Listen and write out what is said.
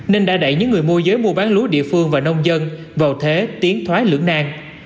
nên đã đẩy những người môi giới mua bán lúa địa phương và nông dân vào thế tiến thoái lưỡng nan